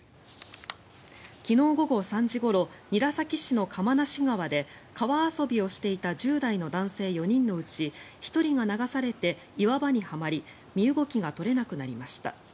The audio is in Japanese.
昨日午後３時ごろ韮崎市の釜無川で川遊びをしていた１０代の男性４人のうち１人が流されて岩場にはまり身動きが取れなくなりました。